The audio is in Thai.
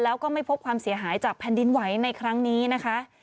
แล้วก็ไม่พบความเสียหายจากแผ่นดินไหวในครั้งนี้นะคะ